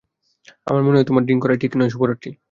আমার মনে হয়, তোমার ড্রিংক করাই ঠিক নয় শুভ রাত্রি।